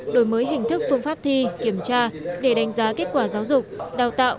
đổi mới hình thức phương pháp thi kiểm tra để đánh giá kết quả giáo dục đào tạo